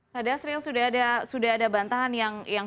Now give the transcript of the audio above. pada asriel sudah ada bantahan yang